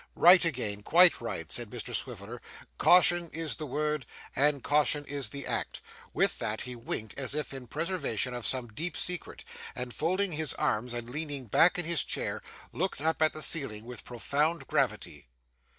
'Right again, quite right,' said Mr Swiveller, 'caution is the word, and caution is the act.' with that, he winked as if in preservation of some deep secret, and folding his arms and leaning back in his chair, looked up at the ceiling with profound gravity.